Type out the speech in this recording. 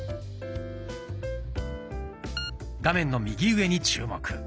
画面の右上に注目。